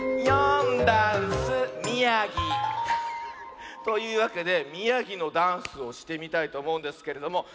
「よんだんす」「みやぎ」！というわけでみやぎのダンスをしてみたいとおもうんですけれども。